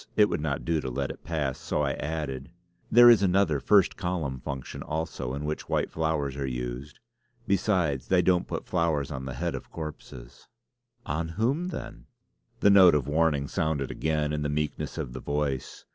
It would not do to let it pass so I added: "There is another 'first column' function also in which white flowers are used. Besides, they don't put flowers on the head of corpses." "Of whom then?" The note of warning sounded again in the meekness of the voice.